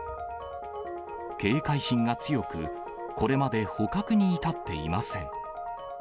警戒心が強く、これまで捕獲に至っていません。